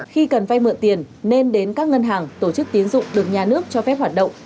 khi cần vay mượn tiền nên đến các ngân hàng tổ chức tiến dụng được nhà nước cho phép hoạt động